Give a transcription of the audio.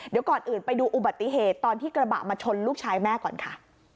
เดี๋ยวก่อนอื่นไปดูอุบัติเหตุตอนที่กระบะมาชนลูกชายแม่ก่อนค่ะ